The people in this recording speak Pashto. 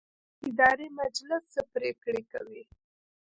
اداري مجلس څه پریکړې کوي؟